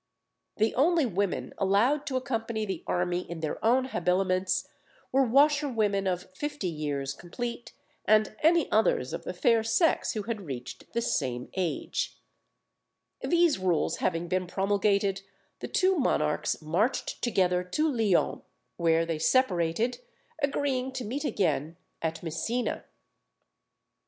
The only women allowed to accompany the army in their own habiliments were washerwomen of fifty years complete, and any others of the fair sex who had reached the same age. Strutt's Sports and Pastimes. These rules having been promulgated, the two monarchs marched together to Lyons, where they separated, agreeing to meet again at Messina.